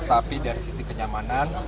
tapi dari sisi kenyamanan